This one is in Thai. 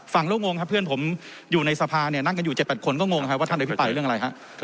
ลูกงงครับเพื่อนผมอยู่ในสภาเนี่ยนั่งกันอยู่๗๘คนก็งงครับว่าท่านอภิปรายเรื่องอะไรฮะ